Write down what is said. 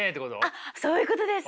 はいそういうことです。